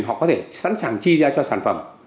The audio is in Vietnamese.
họ có thể sẵn sàng chi ra cho sản phẩm